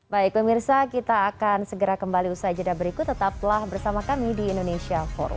baik pemirsa kita akan segera kembali usai jeda berikut tetaplah bersama kami di indonesia forward